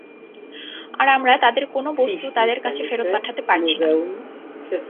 আর আমরা তাদের কোন বস্তু তাদের কাছে ফেরত পাঠাতে পারছি না।